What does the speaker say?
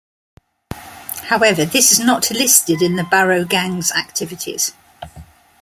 However, this is not listed in the Barrow Gang's activities.